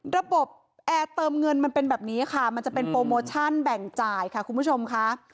ระบบแอร์เติมเงินมันเป็นแบบนี้ค่ะมันจะเป็นโปรโมชั่นแบ่งจ่ายค่ะคุณผู้ชมค่ะ